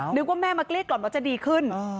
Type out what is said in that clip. นึกว่าแม่มาเกลี้กล่อมว่าจะดีขึ้น